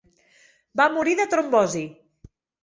Va morir de trombosi.